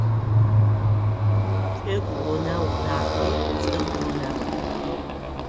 Чӏыгу гъунэгъу нахьи цӏыф гъунэгъу.